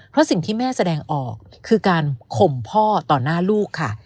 เพราะสิ่งที่แม่แสดงออกคือการข่มพ่อต่อหน้าลูกค่ะ